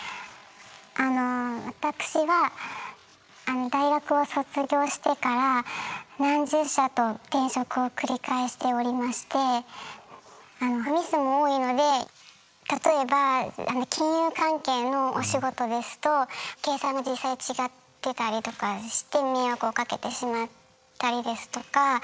あの私は大学を卒業してから何十社と転職を繰り返しておりましてミスも多いので例えば金融関係のお仕事ですと計算が実際違ってたりとかして迷惑をかけてしまったりですとか。